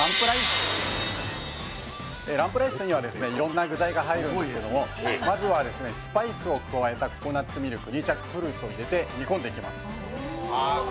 ランプライスにはいろんな具材が入るんですけどまずはスパイスを加えたココナッツミルクにジャックフルーツを入れて煮込んでいきます。